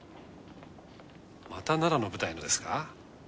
また奈良の舞台のですか？